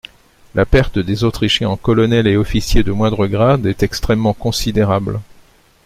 La perte des Autrichiens en colonels et officiers de moindre grade, est extrêmement considérable.